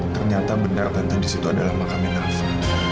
ternyata benar tante di situ adalah makamnya nafa